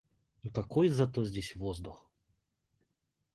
Какой зато здесь воздух!